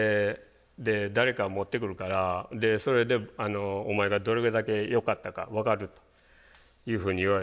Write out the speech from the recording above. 「誰かを持ってくるからそれでお前がどれだけよかったか分かる」というふうに言われて。